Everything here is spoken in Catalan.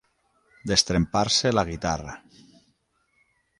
Destrempar-se la guitarra.